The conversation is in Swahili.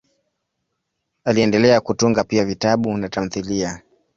Aliendelea kutunga pia vitabu na tamthiliya.